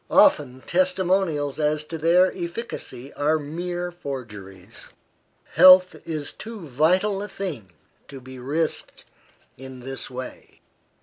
Often testimonials as to their efficacy are mere forgeries. Health is too vital a thing to be risked in this way.